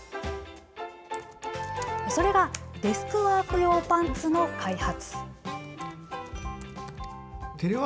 それがデスクワーク用パンツの開発。